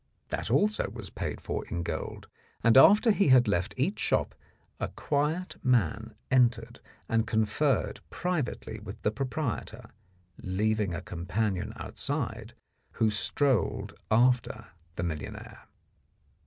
That also was paid for in gold, and after he had left each shop a quiet man entered and conferred privately with the proprietor, leaving a companion outside, who strolled after the millionaire.